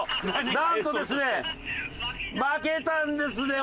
なんとですね負けたんですね